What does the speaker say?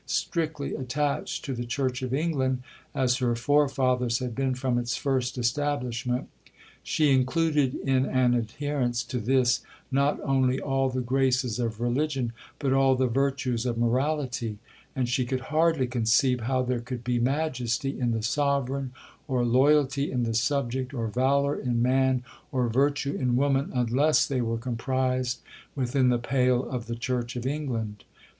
—Strictly attached to the Church of England, as her forefathers had been from its first establishment, she included in an adherence to this not only all the graces of religion, but all the virtues of morality; and she could hardly conceive how there could be majesty in the sovereign, or loyalty in the subject, or valour in man, or virtue in woman, unless they were comprised within the pale of the Church of England.